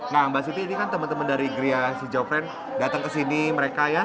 nah mbak siti ini kan teman teman dari gria shijo fren datang ke sini mereka ya